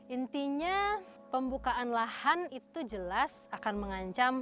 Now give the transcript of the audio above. intinya pembukaan lahan itu jelas akan mengancam